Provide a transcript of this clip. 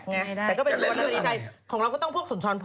แต่ก็เป็นตัวรามะเกียงไทย